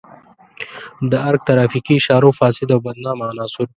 د ارګ ترافیکي اشارو فاسد او بدنامه عناصر.